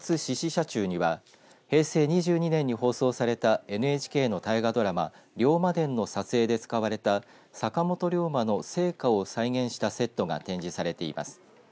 社中には平成２２年に放送されたＮＨＫの大河ドラマ龍馬伝の撮影で使われた坂本龍馬の生家を再現したセットが展示されています。